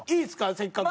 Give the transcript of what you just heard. せっかく。